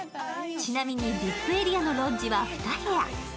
ちなみにＶＩＰエリアのロッジは２部屋。